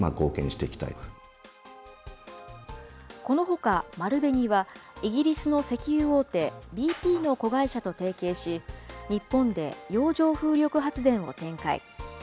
このほか丸紅は、イギリスの石油大手、ＢＰの子会社と提携し、日本で洋上風力発電を展開。